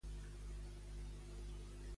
Què explica Conrad Trieber?